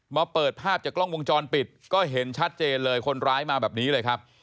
มาเปิดภาพจากกล้องวงจรปิดก็เห็นชัดเจนเลยคนร้ายมาแบบนี้เลยครับ